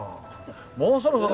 もうそろそろ。